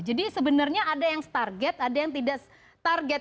jadi sebenarnya ada yang target ada yang tidak target